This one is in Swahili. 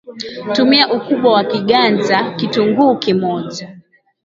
Tumia Ukubwa wa kiganja Kitunguu kimoja